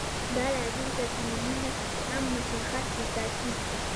دا لازم تصمیمونه هم مشخص او ټاکي.